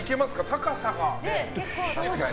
高さが。